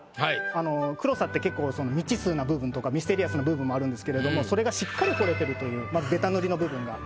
あの黒さって結構未知数な部分とかミステリアスな部分もあるんですけれどもそれがしっかり彫れてるというまずベタ塗りの部分が。